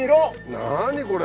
何これ！